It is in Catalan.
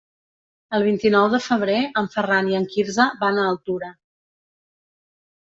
El vint-i-nou de febrer en Ferran i en Quirze van a Altura.